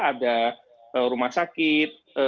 ada rumah sakit